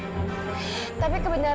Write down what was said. jadi sekarang kita gak punya bukti